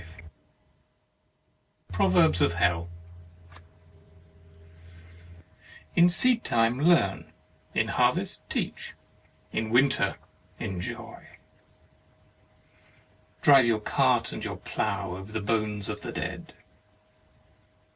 12 HEAVEN AND HELL PROVERBS OF HELL In seed time learn, in harvest teach, in winter enjoy. Drive your cart and your plough over the bones of the dead.